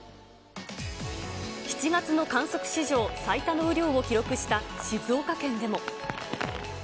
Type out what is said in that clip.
７月の観測史上最多の雨量を記録した静岡県でも。